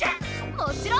もちろん。